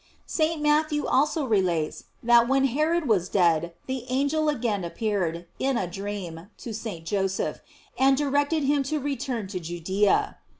f St. Matthew also relates that when Herod waa dead, the angel again appeared, in a dream, to St. Joseph, and directed him to return to Ju dea.